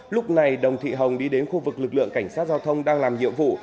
lúc này đồng thị hồng đi đến khu vực lực lượng cảnh sát giao thông đang làm nhiệm vụ